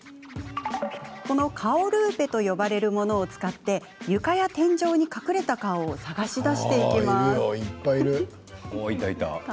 この、かおルーペと呼ばれるものを使って床や天井に隠れた顔を探し出していきます。